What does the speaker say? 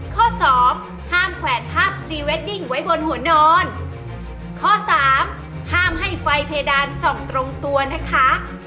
ข้อ๖ห้ามมีหมอนข้างมากกว่า๑ใบนะคะ